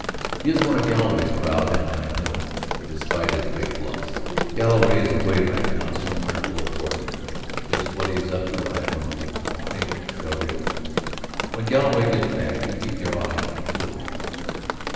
He is one of Galloway's crowd and I know it, despite his big bluffs. Galloway is away right now, somewhere below the border. Just what he is up to I don't know. I think del Rio does. When Galloway gets back you keep your eye on the two of them."